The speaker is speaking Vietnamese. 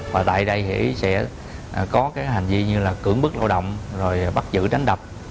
và tại đây hỷ sẽ có cái hành vi như là cưỡng bức lao động rồi bắt giữ đánh đập